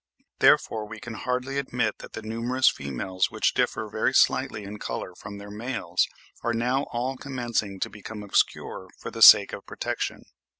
Therefore we can hardly admit that the numerous females which differ very slightly in colour from their males are now all commencing to become obscure for the sake of protection.